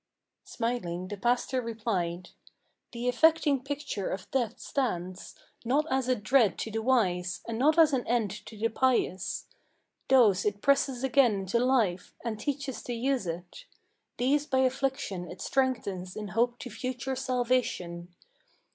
Smiling, the pastor replied: "The affecting picture of death stands Not as a dread to the wise, and not as an end to the pious. Those it presses again into life, and teaches to use it; These by affliction it strengthens in hope to future salvation.